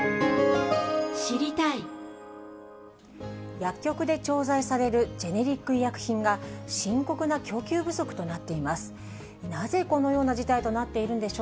薬局で調剤されるジェネリック医薬品が、深刻な供給不足となっています。